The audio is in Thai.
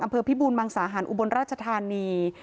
อัมเภอภิบูรณ์มังสาหารอุบลราชธารณี